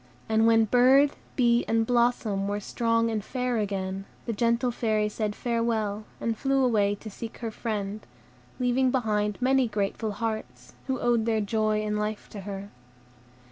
And when bird, bee, and blossom were strong and fair again, the gentle Fairy said farewell, and flew away to seek her friend, leaving behind many grateful hearts, who owed their joy and life to her.